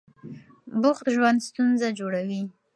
بوخت ژوند ستونزه جوړوي.